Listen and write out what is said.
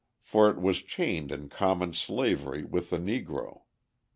For it was chained in common slavery with the Negro.